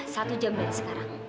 satu jam dari sekarang